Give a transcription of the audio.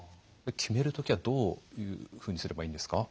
決める時はどういうふうにすればいいんですか？